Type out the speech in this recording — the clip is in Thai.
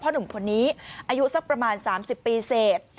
หนุ่มคนนี้อายุสักประมาณ๓๐ปีเศษ